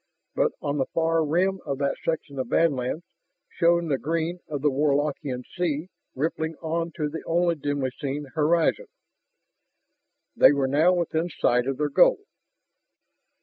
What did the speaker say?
But on the far rim of that section of badlands shone the green of a Warlockian sea rippling on to the only dimly seen horizon. They were now within sight of their goal.